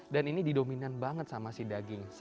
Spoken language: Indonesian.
dan ini didominan banget sama si daging